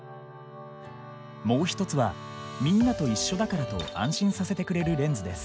もう一つは「みんなと一緒だから」と安心させてくれるレンズです。